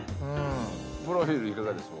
プロフィールいかがでしょう？